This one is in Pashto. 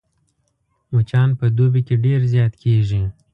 مچان په دوبي کې ډېر زيات کېږي